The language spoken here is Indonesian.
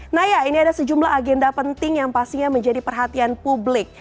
naya ini ada sejumlah agenda penting yang pastinya menjadi perhatian publik